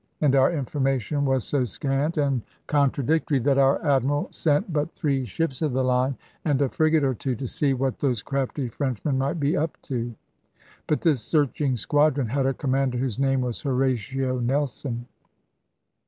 And our information was so scant and contradictory, that our Admiral sent but three ships of the line and a frigate or two to see what those crafty Frenchmen might be up to. But this searching squadron had a commander whose name was Horatio Nelson.